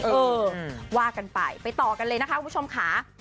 เออว่ากันไปไปต่อกันเลยนะคะคุณผู้ชมค่ะ